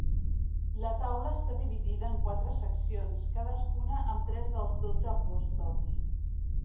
La taula està dividida en quatre seccions, cadascuna amb tres dels dotze apòstols.